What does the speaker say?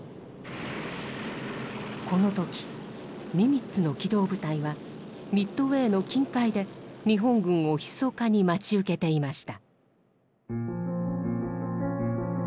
この時ニミッツの機動部隊はミッドウェーの近海で日本軍をひそかに待ち受けていました。